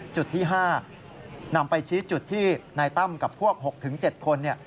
จุดที่๕นำไปชี้จุดที่นายตั้มกับพวก๖๗คน